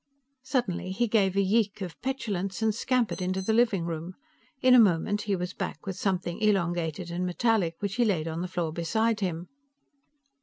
Suddenly he gave a yeek of petulance and scampered into the living room. In a moment, he was back with something elongated and metallic which he laid on the floor beside him.